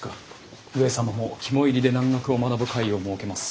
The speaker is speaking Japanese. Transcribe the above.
上様も肝煎りで蘭学を学ぶ会を設けます。